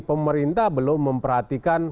pemerintah belum memperhatikan